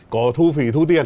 có thu phí thu tiền